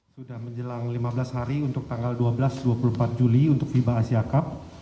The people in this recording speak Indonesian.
sudah menjelang lima belas hari untuk tanggal dua belas dua puluh empat juli untuk fiba asia cup